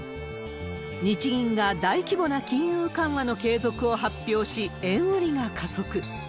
日銀が大規模な金融緩和の継続を発表し、円売りが加速。